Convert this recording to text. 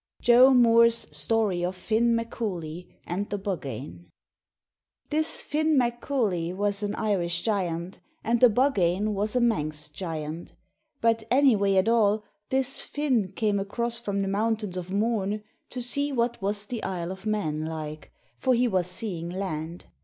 JOE MOORE'S STORY OF FINN MACCOOILLEY AND THE BUGGANE This Finn MacCooilley was an Irish giant, and the Buggane was a Manx giant. But, anyway at all, this Finn came across from the Mountains of Mourne to see what was the Isle of Mann like, for he was seeing land.